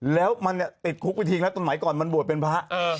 แล้วมันเนี่ยติดคุกวิธีแล้วตอนไหนก่อนมันบวชเป็นพระ